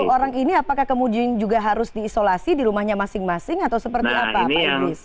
tujuh puluh satu orang ini apakah kemudian juga harus diisolasi di rumahnya masing masing atau seperti apa pak iblis